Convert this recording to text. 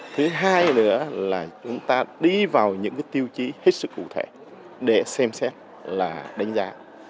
thứ hai nữa là chúng ta đi vào những tiêu chí hết sức cụ thể để xem xét là đánh giá